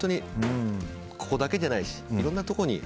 ここだけじゃないしいろんなところに。